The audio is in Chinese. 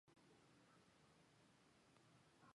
不仅在于找准合作之道，关键在于找准了合作之道